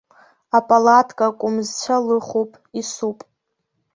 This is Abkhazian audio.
Апалатка, кәымзцәа лыхуп, исуп.